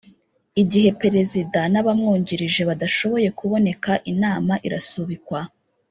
Igihe Perezida n’abamwungirije badashoboye kuboneka inama irasubikwa